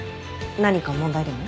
何か問題でも？